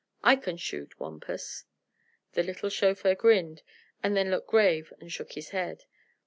"I can shoot, Wampus." The little chauffeur grinned; then looked grave and shook his head.